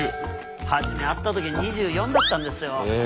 初め会った時２４だったんですよ。